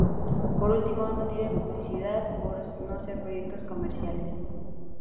Por último, no tienen publicidad por no ser proyectos comerciales.